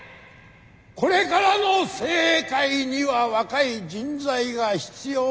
これからの政界には若い人材が必要なんです！